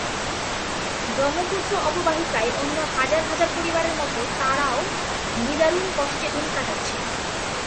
ব্রহ্মপুত্র অববাহিকায় অন্য হাজার হাজার পরিবারের মতো তারাও নিদারুণ কষ্টে দিন কাটাচ্ছে।